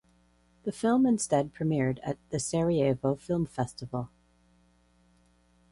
The film instead premiered at the Sarajevo Film Festival.